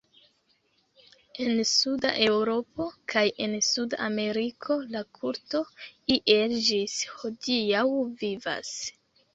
En Suda Eŭropo kaj en Suda Ameriko la kulto iel ĝis hodiaŭ vivas.